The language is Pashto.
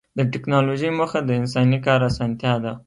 د ټکنالوجۍ موخه د انساني کار اسانتیا ده.